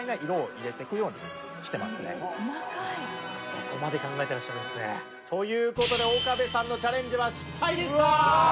そこまで考えてらっしゃるんですね。という事で岡部さんのチャレンジは失敗でした！